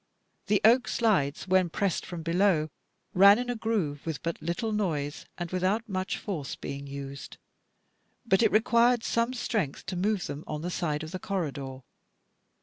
The oak slides, when pressed from below, ran in a groove with but little noise, and without much force being used: but it required some strength to move them on the side of the corridor.